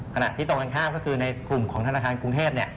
ขณะที่ตรงกันข้ามก็คือในกลุ่มของธนาคารกรุงเทพ